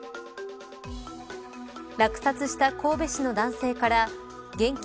落札した神戸市の男性から現金